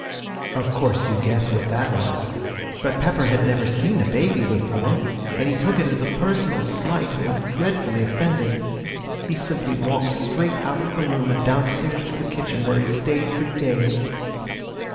Of course you guess what that was but Pepper had never seen a baby before, and he took it as a personal slight and was dreadfully offended. He simply walked straight out of the room and downstairs to the kitchen, where he stayed for days.